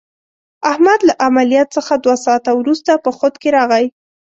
احمد له عملیات څخه دوه ساعته ورسته په خود کې راغی.